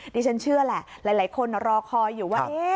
ดิฉันเชื่อแหละหลายคนรอคอยอยู่ว่า